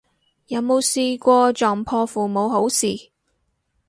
有冇試過撞破父母好事